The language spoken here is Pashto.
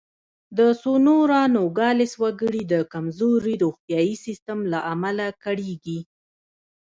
د سونورا نوګالس وګړي د کمزوري روغتیايي سیستم له امله کړېږي.